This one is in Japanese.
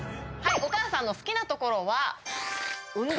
お母さんの好きなところは？